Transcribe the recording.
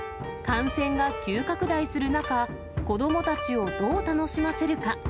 感染が急拡大する中、子どもたちをどう楽しませるか。